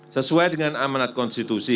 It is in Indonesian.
sesuai dengan amanat konstitusi